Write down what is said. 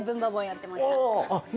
やってました。